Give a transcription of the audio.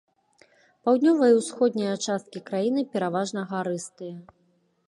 Паўднёвая і ўсходняя часткі краіны пераважна гарыстыя.